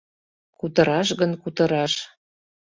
Кутыраш гын кутыраш